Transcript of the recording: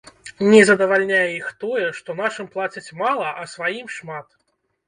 Не задавальняе іх тое, што нашым плацяць мала, а сваім шмат.